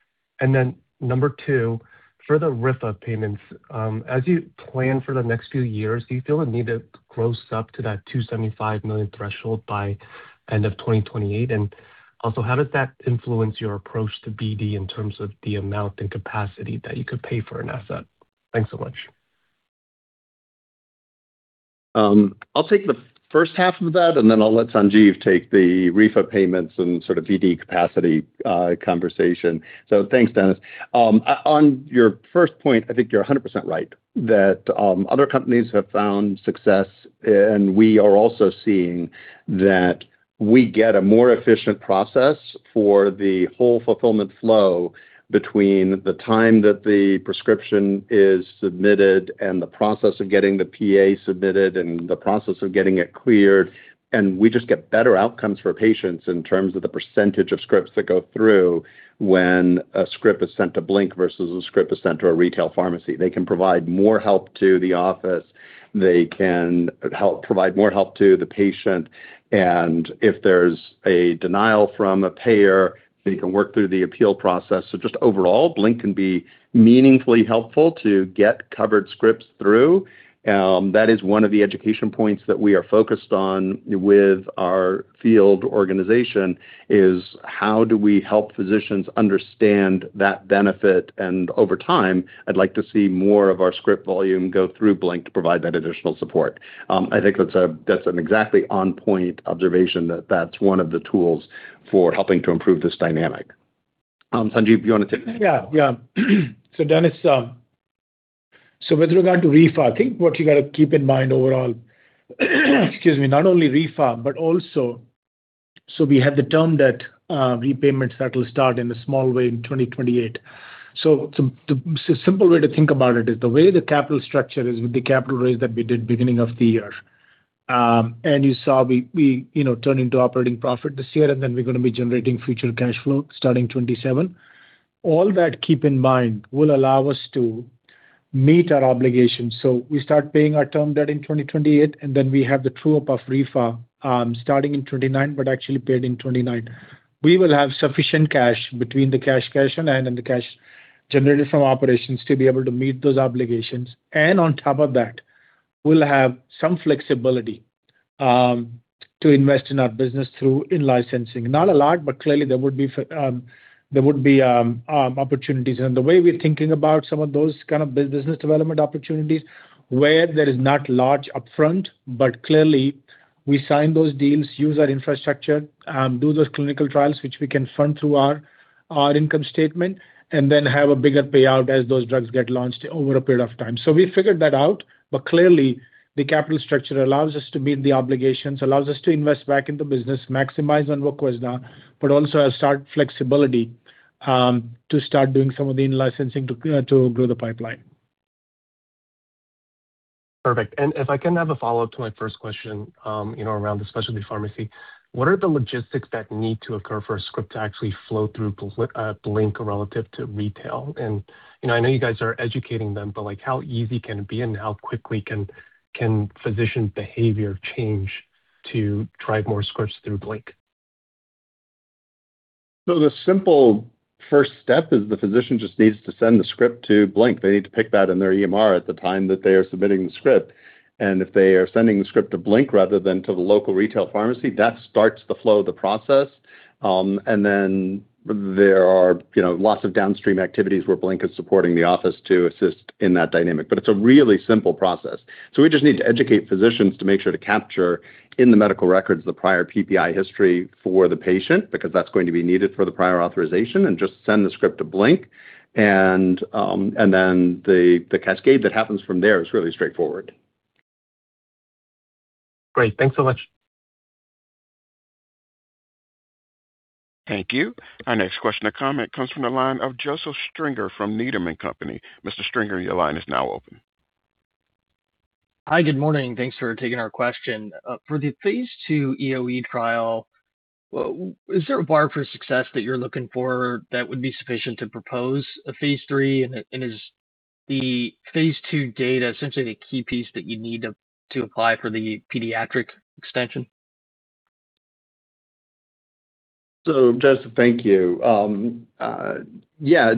Number 2, for the RFA payments, as you plan for the next few years, do you feel a need to close up to that $275 million threshold by end of 2028? Also, how does that influence your approach to BD in terms of the amount and capacity that you could pay for an asset? Thanks so much. I'll take the first half of that, then I'll let Sanjeev take the RFA payments and sort of BD capacity conversation. Thanks, Dennis. On your first point, I think you're 100% right that other companies have found success, and we are also seeing that we get a more efficient process for the whole fulfillment flow between the time that the prescription is submitted and the process of getting the PA submitted and the process of getting it cleared. We just get better outcomes for patients in terms of the percentage of scripts that go through when a script is sent to BlinkRx versus a script is sent to a retail pharmacy. They can provide more help to the office. They can provide more help to the patient. If there's a denial from a payer, they can work through the appeal process. Just overall, BlinkRx can be meaningfully helpful to get covered scripts through. That is one of the education points that we are focused on with our field organization is how do we help physicians understand that benefit. Over time, I'd like to see more of our script volume go through BlinkRx to provide that additional support. I think that's an exactly on-point observation that that's one of the tools for helping to improve this dynamic. Sanjeev, do you want to take that? Dennis, with regard to RFA, I think what you got to keep in mind overall, excuse me, not only RFA, but also, we have the term that repayments that will start in a small way in 2028. The simple way to think about it is the way the capital structure is with the capital raise that we did beginning of the year. You saw we turning to operating profit this year, then we're going to be generating future cash flow starting 2027. All that, keep in mind, will allow us to meet our obligations. We start paying our term debt in 2028, then we have the true up of RFA starting in 2029, but actually paid in 2029. We will have sufficient cash between the cash in hand and the cash generated from operations to be able to meet those obligations. On top of that, we'll have some flexibility to invest in our business through in-licensing. Not a lot, but clearly there would be opportunities. The way we're thinking about some of those kind of business development opportunities where there is not large upfront, but clearly we sign those deals, use our infrastructure, do those clinical trials, which we can fund through our income statement, then have a bigger payout as those drugs get launched over a period of time. We figured that out, but clearly the capital structure allows us to meet the obligations, allows us to invest back in the business, maximize on VOQUEZNA, but also has flexibility to start doing some of the in-licensing to grow the pipeline. Perfect. If I can have a follow-up to my first question around the specialty pharmacy, what are the logistics that need to occur for a script to actually flow through BlinkRx relative to retail? I know you guys are educating them, but how easy can it be and how quickly can physician behavior change to drive more scripts through BlinkRx? The simple first step is the physician just needs to send the script to BlinkRx. They need to pick that in their EMR at the time that they are submitting the script. If they are sending the script to BlinkRx rather than to the local retail pharmacy, that starts the flow of the process. Then there are lots of downstream activities where BlinkRx is supporting the office to assist in that dynamic. It's a really simple process. We just need to educate physicians to make sure to capture in the medical records the prior PPI history for the patient, because that's going to be needed for the prior authorization, and just send the script to BlinkRx. Then the cascade that happens from there is really straightforward. Great. Thanks so much. Thank you. Our next question to come comes from the line of Joseph Stringer from Needham & Company. Mr. Stringer, your line is now open. Hi, good morning. Thanks for taking our question. For the phase II EoE trial, is there a bar for success that you're looking for that would be sufficient to propose a phase III? Is the phase II data essentially the key piece that you need to apply for the pediatric extension? Joseph, thank you. Yeah.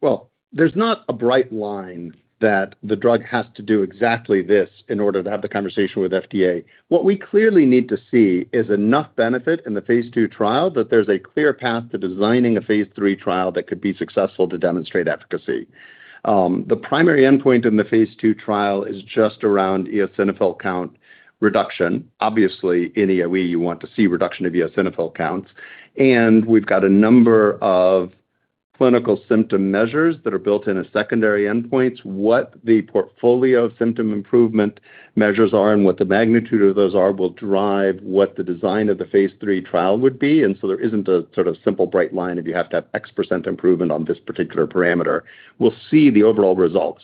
Well, there's not a bright line that the drug has to do exactly this in order to have the conversation with FDA. What we clearly need to see is enough benefit in the phase II trial that there's a clear path to designing a phase III trial that could be successful to demonstrate efficacy. The primary endpoint in the phase II trial is just around eosinophil count reduction. Obviously, in EoE, you want to see reduction of eosinophil counts. We've got a number of clinical symptom measures that are built in as secondary endpoints. What the portfolio symptom improvement measures are and what the magnitude of those are will drive what the design of the phase III trial would be. There isn't a sort of simple bright line if you have to have X% improvement on this particular parameter. We'll see the overall results.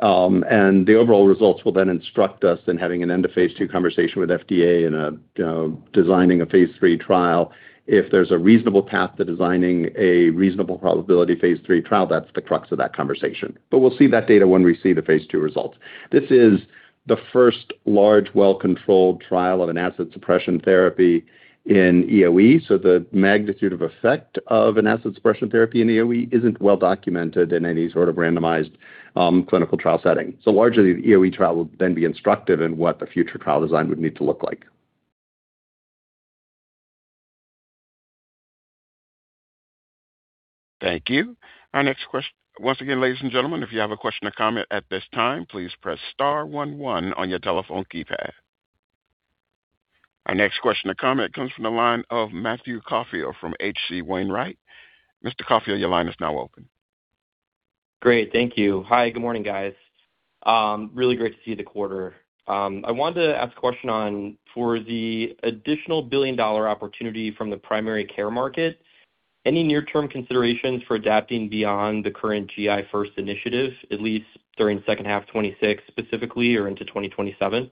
The overall results will then instruct us in having an end-of-phase II conversation with FDA in designing a phase III trial. If there's a reasonable path to designing a reasonable probability phase III trial, that's the crux of that conversation. We'll see that data when we see the phase II results. This is the first large, well-controlled trial of an acid suppression therapy in EoE. The magnitude of effect of an acid suppression therapy in EoE isn't well documented in any sort of randomized clinical trial setting. Largely, the EoE trial will then be instructive in what the future trial design would need to look like. Thank you. Once again, ladies and gentlemen, if you have a question or comment at this time, please press star 11 on your telephone keypad. Our next question or comment comes from the line of Matthew Caufield from H.C. Wainwright. Mr. Caufield, your line is now open. Great, thank you. Hi, good morning, guys. Really great to see the quarter. I wanted to ask a question on for the additional billion-dollar opportunity from the primary care market, any near-term considerations for adapting beyond the current GI first initiative, at least during second half 2026 specifically or into 2027?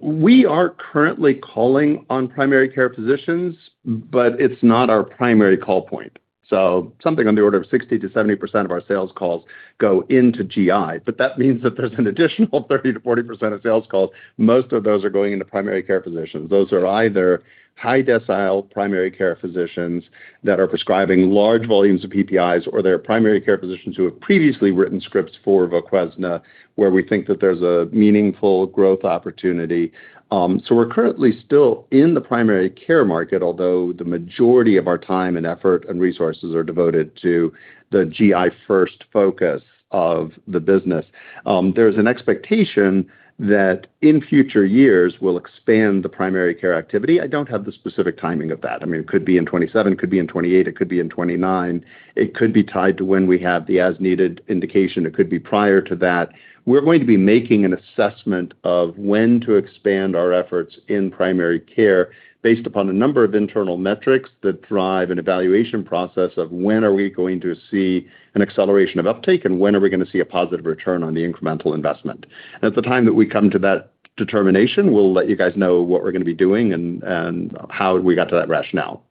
We are currently calling on primary care physicians, but it's not our primary call point. Something on the order of 60%-70% of our sales calls go into GI. That means that there's an additional 30%-40% of sales calls. Most of those are going into primary care physicians. Those are either high decile primary care physicians that are prescribing large volumes of PPIs or they're primary care physicians who have previously written scripts for VOQUEZNA, where we think that there's a meaningful growth opportunity. We're currently still in the primary care market, although the majority of our time and effort and resources are devoted to the GI first focus of the business. There's an expectation that in future years, we'll expand the primary care activity. I don't have the specific timing of that. I mean, it could be in 2027, it could be in 2028, it could be in 2029. It could be tied to when we have the as-needed indication. It could be prior to that. We're going to be making an assessment of when to expand our efforts in primary care based upon a number of internal metrics that drive an evaluation process of when are we going to see an acceleration of uptake and when are we going to see a positive return on the incremental investment. At the time that we come to that determination, we'll let you guys know what we're going to be doing and how we got to that rationale.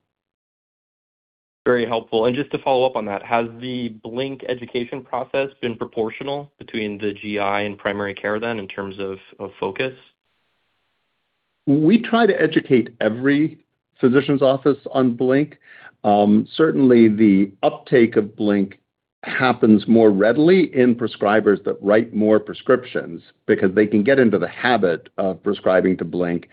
Very helpful. Just to follow up on that, has the BlinkRx education process been proportional between the GI and primary care then in terms of focus? We try to educate every physician's office on BlinkRx. Certainly, the uptake of BlinkRx happens more readily in prescribers that write more prescriptions because they can get into the habit of prescribing to BlinkRx.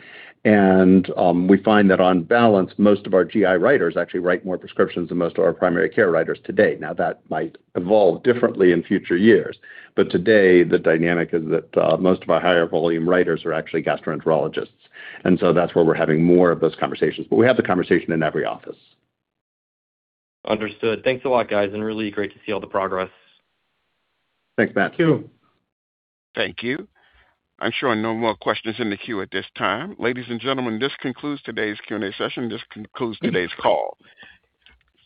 We find that on balance, most of our GI writers actually write more prescriptions than most of our primary care writers today. Now, that might evolve differently in future years. Today, the dynamic is that most of our higher volume writers are actually gastroenterologists. So that's where we're having more of those conversations. We have the conversation in every office. Understood. Thanks a lot, guys, and really great to see all the progress. Thanks, Matt. Thank you. I'm showing no more questions in the queue at this time. Ladies and gentlemen, this concludes today's Q&A session. This concludes today's call.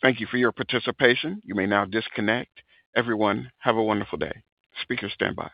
Thank you for your participation. You may now disconnect. Everyone, have a wonderful day. Speakers stand by